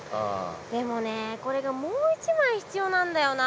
でもねこれがもう一枚必要なんだよな。